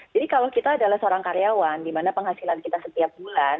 jadi kalau kita adalah seorang karyawan di mana penghasilan kita setiap bulan